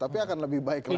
tapi akan lebih baik lagi